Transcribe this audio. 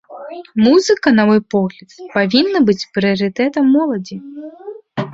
Музыка, на мой погляд, павінна быць прыярытэтам моладзі.